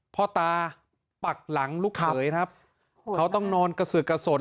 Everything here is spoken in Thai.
พ่อตาปักหลังลูกเขยครับเขาต้องนอนกระสือกระสน